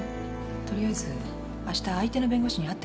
とりあえずあした相手の弁護士に会ってくるわ。